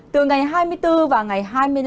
từ ngày hai mươi bốn và ngày hai mươi năm